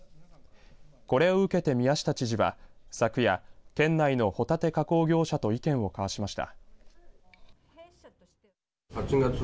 これを受けて宮下知事は昨夜、県内のホタテ加工業者と意見を交わしました。